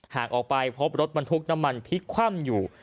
หากออกไปพบรถบรรทุกน้ำมันพลิกคว่ำอยู่